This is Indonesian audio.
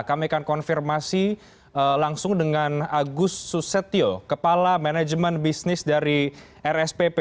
kami akan konfirmasi langsung dengan agus susetio kepala manajemen bisnis dari rspp